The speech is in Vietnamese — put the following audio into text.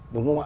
đúng không ạ